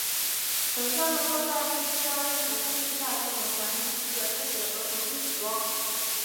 整枪能够在不需任何工具下就能完成基本分解和重新组装。